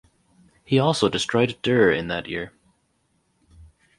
He also destroyed Der in that year.